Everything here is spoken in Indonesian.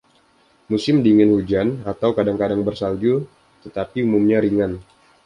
Musim dingin hujan atau kadang-kadang bersalju, tetapi umumnya ringan.